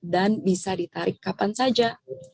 dan bisa ditarik kapan saja